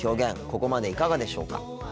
ここまでいかがでしょうか。